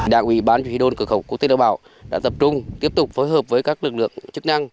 đảng ủy bán chủ yếu đôn cửa khẩu quốc tế lao bảo đã tập trung tiếp tục phối hợp với các lực lượng chức năng